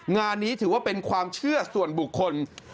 งานนี้ถือว่าเป็นความเชื่อส่วนบุคคล